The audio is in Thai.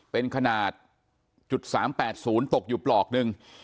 เป็นขนาด๓๘๐ตกอยู่ปลอกหนึ่ง